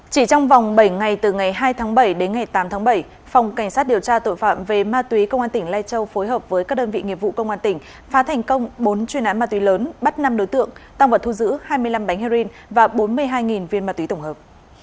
chỉ trong vòng bảy ngày từ ngày hai tháng bảy đến ngày tám tháng bảy phòng cảnh sát điều tra tội phạm về ma túy công an tỉnh lai châu phối hợp với các đơn vị nghiệp vụ công an tỉnh phá thành công bốn chuyên án ma túy lớn bắt năm đối tượng tăng vật thu giữ hai mươi năm bánh heroin và bốn mươi hai viên ma túy tổng hợp